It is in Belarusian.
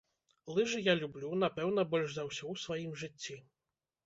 Лыжы я люблю, напэўна, больш за ўсё ў сваім жыцці.